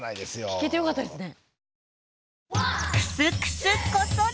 聞けてよかったですね。